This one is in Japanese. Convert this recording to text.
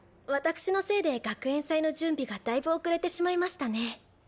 わたくしのせいで学園祭の準備がだいぶ遅れてしまいましたね。